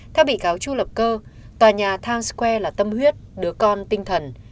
theo bị cáo chu lập cơ tòa nhà times square là tâm huyết đứa con tinh thần